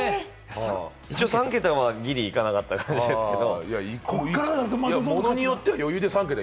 一応、３桁はギリ行かなかったですけれど。